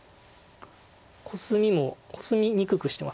コスミもコスみにくくしてます。